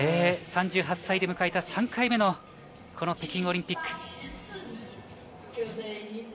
３８歳で迎えた３回目の北京オリンピック。